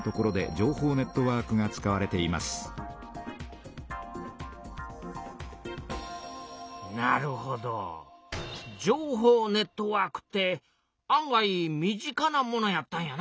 情報ネットワークって案外身近なものやったんやな。